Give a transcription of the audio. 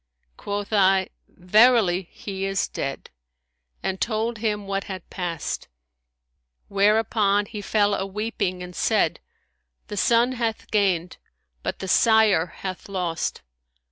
Quoth I, Verily, he is dead;' and told him what had passed; whereupon he fell a weeping and said, The son hath gained; but the sire hath lost.'